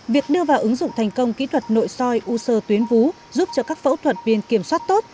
việc đưa vào ứng dụng thành công kỹ thuật nội soi u sơ tuyến vú giúp cho các phẫu thuật viên kiểm soát tốt